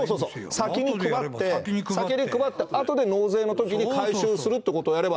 先に配って、先に配って、あとで納税のときに、回収するということをやれば。